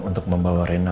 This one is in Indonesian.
untuk membawa rina